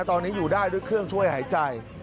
ตอนนี้อยู่ได้ด้วยเครื่องช่วยหายใจ